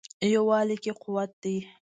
یووالي کې قوت دی.